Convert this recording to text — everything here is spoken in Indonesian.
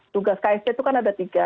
tugas ksp itu kan ada tiga